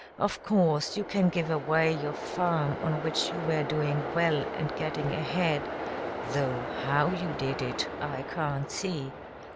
Of course, you can give away your farm on which you were doing well and getting ahead, though how you did it, I can't see.